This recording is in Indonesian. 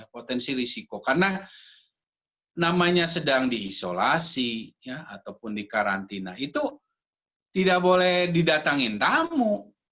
potensi risiko karena namanya sedang diisolasi ataupun dikarantina itu tidak boleh didatangin tamu